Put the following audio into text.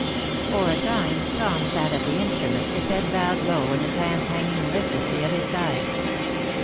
For a time, Tom sat at the instrument, his head bowed low and his hands hanging listlessly at his side.